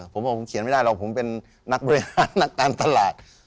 ผมบอกผมเขียนไม่ได้หรอกผมเป็นนักบริหารนักการตลาด